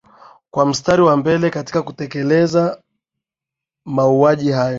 kuwa mstari wa mbele katika kutekeleza mauaji hayo